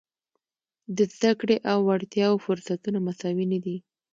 د زده کړې او وړتیاوو فرصتونه مساوي نه دي.